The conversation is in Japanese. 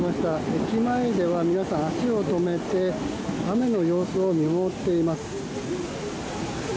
駅前では、皆さん足を止めて、雨の様子を見守っています。